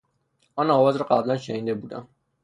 آن آواز را قبلا شنیده بودم.